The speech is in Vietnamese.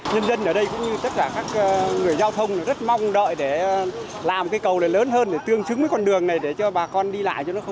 nhân dân ở đây cũng như tất cả các người giao thông rất mong đợi để làm cái cầu này lớn hơn để tương chứng với con đường này để cho bà con đi lại